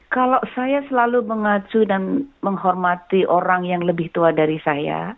kalau saya selalu mengacu dan menghormati orang yang lebih tua dari saya